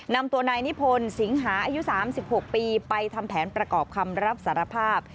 นำตัวนายนิพนธ์สิงหาอายุ๓๖ปีไปทำแผนประกอบคำรับสารภาพ